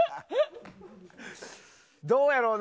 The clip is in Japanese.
どうやろうな。